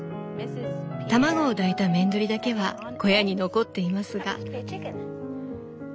卵を抱いたメンドリだけは小屋に残っていますが」。